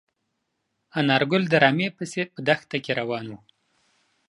انارګل د رمې پسې په دښته کې روان و.